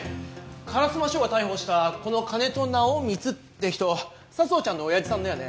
烏丸署が逮捕したこの金戸直実って人佐相ちゃんの親父さんだよね？